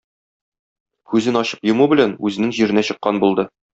Күзен ачып йому белән, үзенең җиренә чыккан булды.